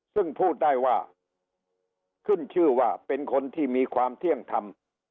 ซึ่งพูดได้ว่าขึ้นชื่อว่าเป็นคนที่มีความเที่ยงธรรม